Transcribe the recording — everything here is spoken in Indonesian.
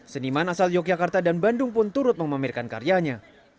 seniman asal yogyakarta dan bandung pun turut memamerkan karyanya